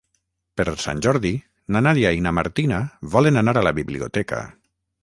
Per Sant Jordi na Nàdia i na Martina volen anar a la biblioteca.